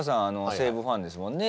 西武ファンですもんね